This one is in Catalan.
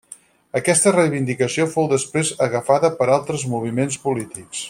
Aquesta reivindicació fou després agafada per altres moviments polítics.